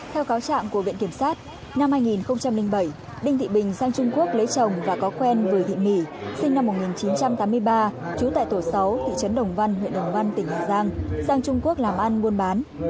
theo cáo trạng của viện kiểm sát năm hai nghìn bảy đinh thị bình sang trung quốc lấy chồng và có quen vừa thị mỹ sinh năm một nghìn chín trăm tám mươi ba trú tại tổ sáu thị trấn đồng văn huyện đồng văn tỉnh hà giang sang trung quốc làm ăn buôn bán